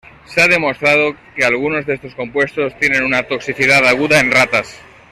Se ha demostrado que algunos de estos compuestos tienen una toxicidad aguda en ratas.